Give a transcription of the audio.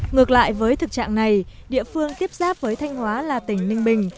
ngược lại với thực trạng này địa phương tiếp giáp với thanh hóa là tỉnh ninh bình